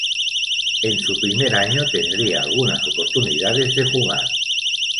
En su primer año, tendría algunas oportunidades de jugar.